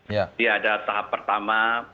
ya ada tahap pertama